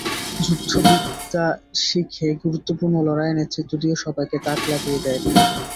যুদ্ধবিদ্যা শিখে গুরুত্বপূর্ণ লড়াইয়ে নেতৃত্ব দিয়ে সবাইকে তাক লাগিয়ে দেয় পো।